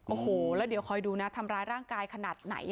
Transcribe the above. โอ้โหแล้วเดี๋ยวคอยดูนะทำร้ายร่างกายขนาดไหน